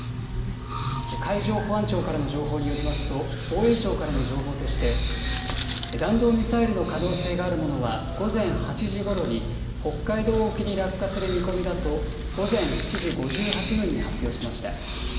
海上保安庁からの情報によりますと、防衛省からの情報として、弾道ミサイルの可能性があるものは、午前８時ごろに、北海道沖に落下する見込みだと、午前７時５８分に発表しました。